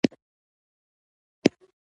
هر چا خپل بکس په اوږه کړ.